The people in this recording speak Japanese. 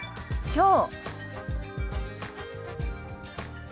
きょう。